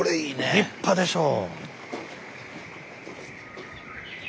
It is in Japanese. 立派でしょう。